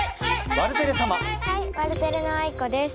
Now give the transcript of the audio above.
ワルテレのあいこです。